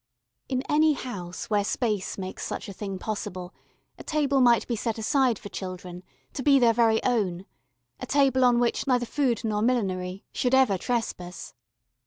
In any house where space makes such a thing possible, a table might be set aside for children, to be their very own a table on which neither food nor millinery should ever trespass.